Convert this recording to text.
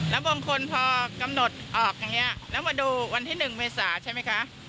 แล้วบางคนพอกำหนดออกอย่างนี้แล้วมาดูวันที่๑เมษาใช่ไหมคะ